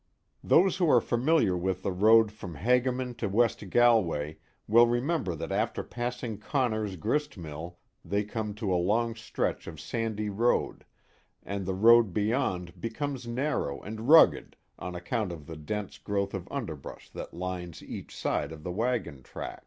Those who are familiar wjth the road from Hagaman to West Galway will remember that after passing Conner's grist mill they come to a long stretch of sandy road, and the road beyond becomes narrow and rugged on account of the dense growth of underbrush that lines each side of the wagon track.